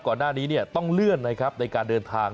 ก่อนหน้านี้ต้องเลื่อนนะครับในการเดินทาง